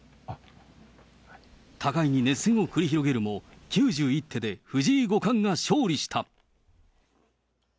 互いに熱戦を繰り広げるも、９１手で藤井五冠が勝利した。